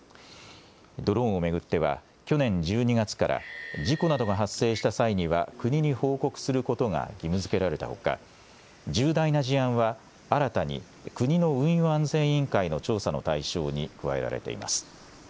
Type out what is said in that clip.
ドローンを巡っては去年１２月から事故などが発生した際には国に報告することが義務づけられたほか重大な事案は新たに国の運輸安全委員会の調査の対象に加えられています。